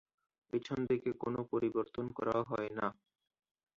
পেছন দিকে কোন পরিবর্তন করা হয়না।